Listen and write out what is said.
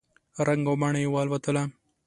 رنګ او بڼه یې والوتله !